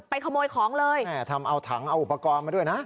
ขโมยของเลยแม่ทำเอาถังเอาอุปกรณ์มาด้วยนะ